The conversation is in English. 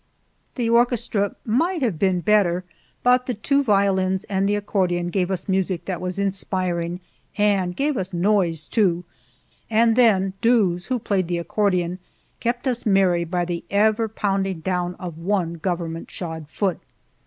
The orchestra might have been better, but the two violins and the accordion gave us music that was inspiring, and gave us noise, too, and then Doos, who played the accordion, kept us merry by the ever pounding down of one government shod foot.